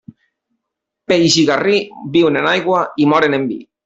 Peix i garrí viuen en aigua i moren en vi.